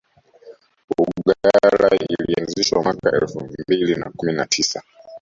uggala ilianzishwa mwaka elfu mbili na kumi na tisa